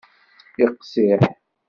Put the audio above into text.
Iqsiḥ.